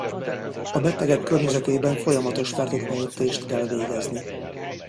A betegek környezetében folyamatos fertőtlenítést kell végezni.